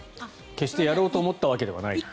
決してやろうと思ったわけではない。